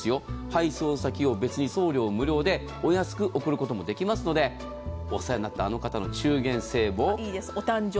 配送先を別に送料無料でお安く送ることもできますのでお世話になったあの方の中元歳暮。